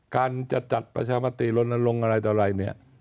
การจะจัดประชามติลนรงอะไรต่อไหร่